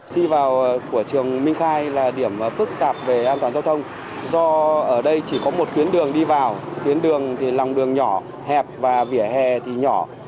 thi vào của trường minh khai là điểm phức tạp về an toàn giao thông do ở đây chỉ có một tuyến đường đi vào tuyến đường thì lòng đường nhỏ hẹp và vỉa hè thì nhỏ